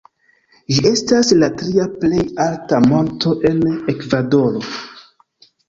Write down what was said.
Ĝi estas la tria plej alta monto en Ekvadoro.